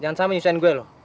jangan sampai nyusahin gue